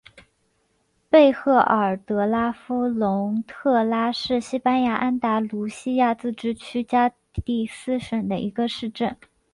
贝赫尔德拉夫龙特拉是西班牙安达卢西亚自治区加的斯省的一个市镇。